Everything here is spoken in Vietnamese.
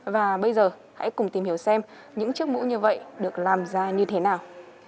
và bây giờ hãy cùng tìm hiểu xem những chiếc mũ như vậy được làm ra như thế nào